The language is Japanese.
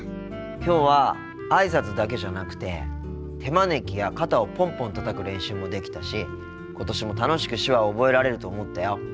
きょうはあいさつだけじゃなくて手招きや肩をポンポンたたく練習もできたし今年も楽しく手話を覚えられると思ったよ。